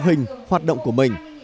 mình hoạt động của mình